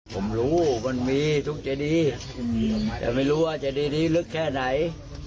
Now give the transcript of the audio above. ผมรู้มันมีทุกเจดีแต่ไม่รู้ว่าเจดีนี้ลึกแค่ไหน